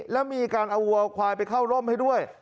แล้วมีการเอาวัวควายไปเข้าร่มให้ด้วย